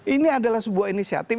ini adalah sebuah inisiatif